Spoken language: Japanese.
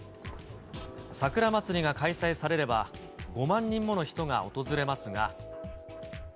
桜まつりが開催されれば５万人もの人が訪れますが。